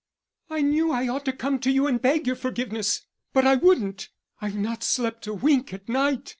"I knew I ought to come to you and beg your forgiveness, but I wouldn't. I've not slept a wink at night.